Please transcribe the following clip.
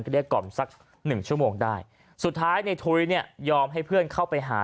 เรียกกล่อมสักหนึ่งชั่วโมงได้สุดท้ายในทุยเนี่ยยอมให้เพื่อนเข้าไปหา